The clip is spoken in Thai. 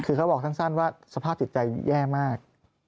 คือเขาบอกสั้นว่าสภาพจิตใจแย่มาก